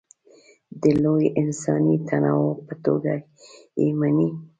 د لوی انساني تنوع په توګه یې مني.